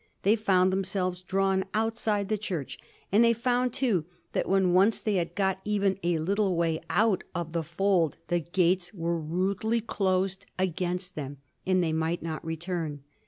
They found them selves drawn outside the Church, and they found, too, that when once they had gone even a very little way out of the 1738. JOHN WESLEY»S CHARITY. 133 fold, the gates were rudely closed against them, and they might not return.